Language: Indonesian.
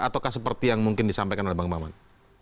ataukah seperti yang mungkin disampaikan oleh bang maman